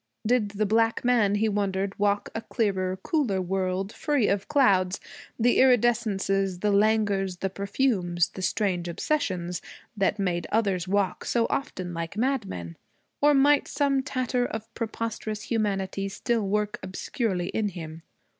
Did the black man, he wondered, walk in a clearer, cooler world, free of the clouds, the iridescences, the languors, the perfumes, the strange obsessions, that made others walk so often like madmen? Or might some tatter of preposterous humanity still work obscurely in him?